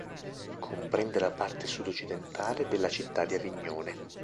Comprende la parte sudoccidentale della città di Avignone.